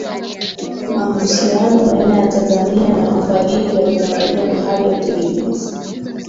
Mahusiano baina ya Tanzania na wafadhili yalitawaliwa na hali ya utegemezi